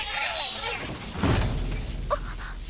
あっ。